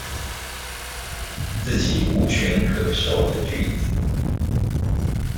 自己無權可授的句子